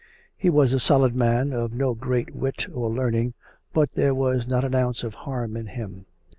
He was a solid man, of no great wit or learning, but there was not an ounce of harm in him.